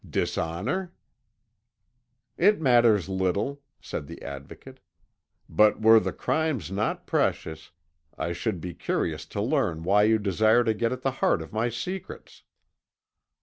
Dishonour?" "It matters little," said the Advocate; "but were the time not precious, I should be curious to learn why you desire to get at the heart of my secrets."